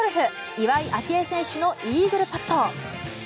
岩井明愛選手のイーグルパット。